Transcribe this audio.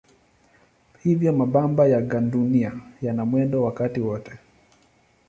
Hivyo mabamba ya gandunia yana mwendo wakati wote.